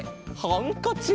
ハンカチ。